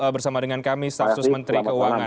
bersama dengan kami stafsus menteri keuangan